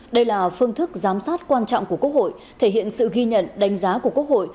đây là phương thức giám sát quan trọng của quốc hội thể hiện sự ghi nhận đánh giá của quốc hội